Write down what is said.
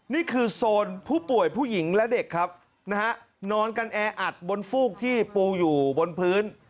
นี่คือโซนผู้ป่วยผู้หญิงและเด็กครับนะฮะนอนกันแออัดบนฟูกที่ปูอยู่บนพื้น